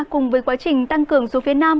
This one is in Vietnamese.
cùng với quá trình tăng cường xuống phía nam